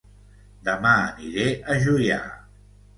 Dema aniré a Juià